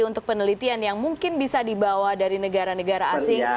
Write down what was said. untuk penelitian yang mungkin bisa dibawa dari negara negara asing